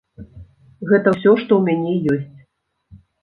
Гэта ўсё, што ў мяне ёсць.